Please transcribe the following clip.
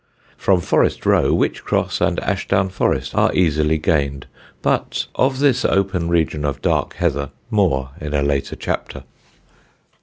From Forest Row, Wych Cross and Ashdown Forest are easily gained; but of this open region of dark heather more in a later chapter.